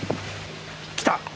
来た！？